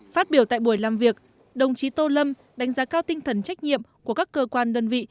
phát biểu tại buổi làm việc đồng chí tô lâm đánh giá cao tinh thần trách nhiệm của các cơ quan đơn vị